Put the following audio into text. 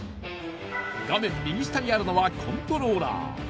画面右下にあるのはコントローラー。